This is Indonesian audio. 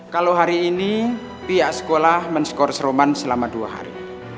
kalau hari ini pihak sekolah men scores roman selama dua hari